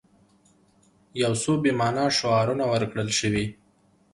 یو څو بې معنا شعارونه ورکړل شوي.